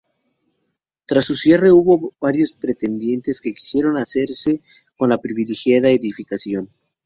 Tras su cierre hubo varios pretendientes que quisieron hacerse con la privilegiada edificación.